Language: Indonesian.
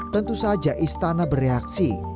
tentu saja istana bereaksi